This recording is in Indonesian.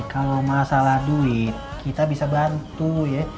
kalo masalah duit kita bisa bantu ye